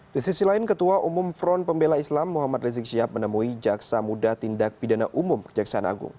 di sisi lain ketua umum front pembela islam muhammad rizik syihab menemui jaksa muda tindak pidana umum kejaksaan agung